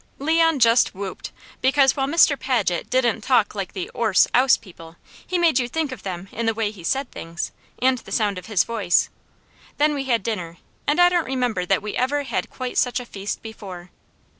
Leon just whooped; because while Mr. Paget didn't talk like the 'orse, 'ouse people, he made you think of them in the way he said things, and the sound of his voice. Then we had dinner, and I don't remember that we ever had quite such a feast before.